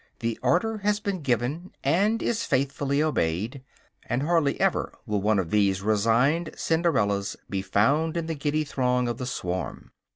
The order has been given, and is faithfully obeyed; and hardly ever will one of these resigned Cinderellas be found in the giddy throng of the swarm.